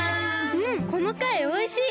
うんこのかいおいしい！